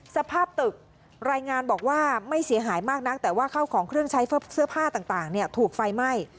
สภาพตึกรายงานบอกว่าไม่เสียหายมากนักแต่ว่าเข้าของเครื่องใช้เสื้อผ้าต่างถูกไฟไหม้